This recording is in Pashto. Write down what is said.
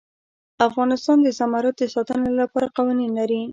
افغانستان د زمرد د ساتنې لپاره قوانین لري.